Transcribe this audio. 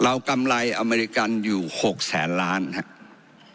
กำไรอเมริกันอยู่๖แสนล้านครับ